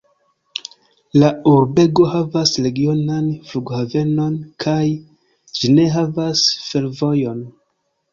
La urbego havas regionan flughavenon kaj ĝi ne havas fervojon.